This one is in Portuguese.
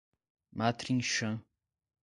Matrinchã